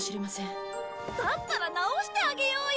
だったら直してあげようよ！